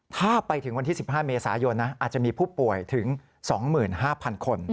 ถ้าไปถึงวันที่๑๕เมษายนอาจจะมีผู้ป่วยถึง๒๕๐๐๐คน